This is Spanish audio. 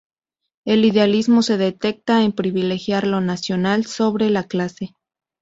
El idealismo se detecta en privilegiar lo nacional sobre la clase.